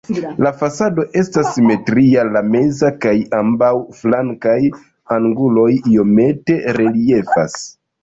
La fasado estas simetria, la meza kaj ambaŭ flankaj anguloj iomete reliefas.